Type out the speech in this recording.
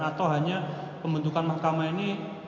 atau hanya pembentukan mahkamah ini